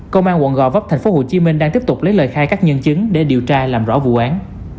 công an quận gò vấp tp hcm đang tiếp tục lấy lời khai các nhân chứng để điều tra làm rõ vụ án